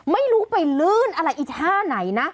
ไม่รู้ไปลื่นอะไรอีกท่าไหนนะ